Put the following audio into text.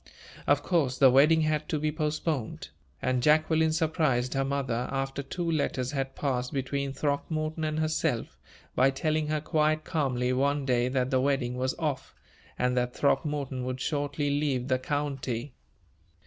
Of course, the wedding had to be postponed; and Jacqueline surprised her mother, after two letters had passed between Throckmorton and herself, by telling her quite calmly one day that the wedding was off, and that Throckmorton would shortly leave the county.